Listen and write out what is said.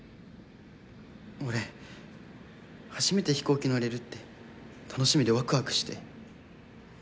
俺初めて飛行機乗れるって楽しみでワクワクして。